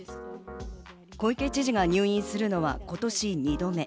小池知事が入院するのは今年２度目。